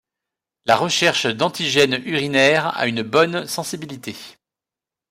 La recherche d'antigènes urinaires a une bonne sensibilité.